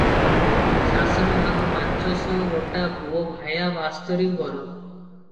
ଶାସନ ଭାଗ ପାଞ୍ଚଶ ଗୋଟା ପୁଅଭାୟା ବାସ୍ତରୀ ଘର ।